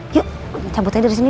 yuk cabut aja dari sini